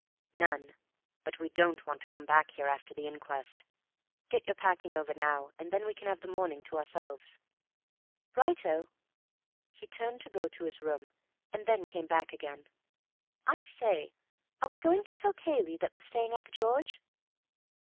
"None. But we don't want to come back here after the inquest. Get your packing over now and then we can have the morning to ourselves." "Righto." He turned to go to his room, and then came back again. "I say, are we going to tell Cayley that we're staying at 'The George'?"